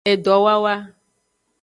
Edowawa.